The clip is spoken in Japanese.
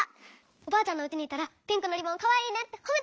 おばあちゃんのうちにいったらピンクのリボンかわいいねってほめてくれたの。